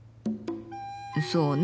そうね